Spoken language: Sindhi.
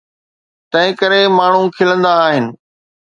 تنهنڪري ماڻهو کلندا آهن.